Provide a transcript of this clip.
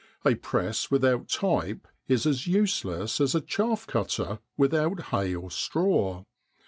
A press without type is as useless as a chaff cutter without hay or straw.